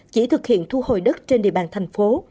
chỉ thực hiện thu hồi đất trên địa bàn thành phố